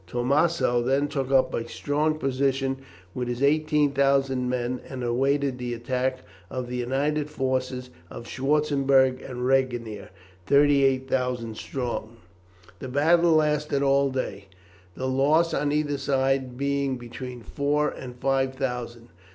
Tormanssow then took up a strong position with his 18,000 men, and awaited the attack of the united forces of Schwarzenberg and Regnier, 38,000 strong. The battle lasted all day, the loss on either side being between four and five thousand.